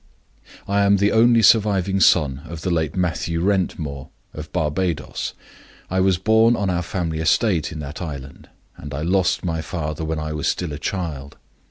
"I am the only surviving son of the late Mathew Wrentmore, of Barbadoes. I was born on our family estate in that island, and I lost my father when I was still a child.